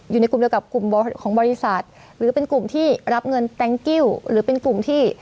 อยู่ในกลุ่มเดียวกับกลุ่มของบริษัทหรือเป็นกลุ่มที่รับเงินแตงกิ้วหรือเป็นกลุ่มที่